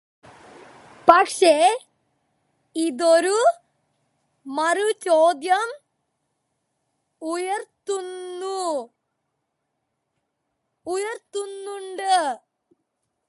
പക്ഷെ, ഇതൊരു മറുചോദ്യം ഉയർത്തുന്നുണ്ട്.